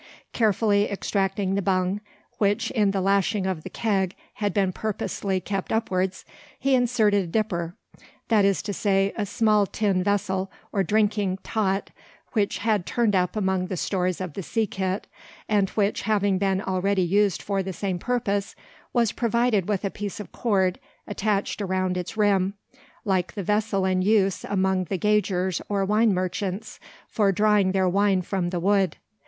Carefully extracting the bung, which, in the lashing of the keg, had been purposely kept upwards, he inserted a dipper, that is to say, a small tin vessel, or drinking "taut," which had turned up among the stores of the sea kit, and which, having been already used for the same purpose, was provided with a piece of cord attached around its rim, like the vessel in use among the gaugers or wine merchants for drawing their wine from the wood.